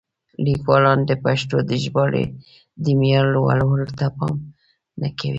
لیکوالان د پښتو د ژباړې د معیار لوړولو ته پام نه کوي.